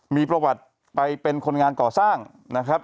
มีประวัติไปเป็นคนงานก่อสร้างนะครับ